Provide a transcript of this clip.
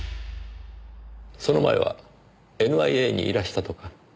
その前はＮＩＡにいらしたとか。